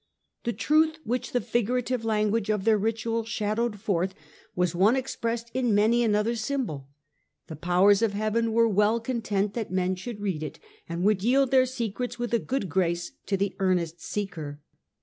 The truth which the figurative language of their ritual shadowed forth was one expressed in many another symbol; the powers of heaven were well content that men should read it, and would yield their secrets with a good grace to the earnest seeker.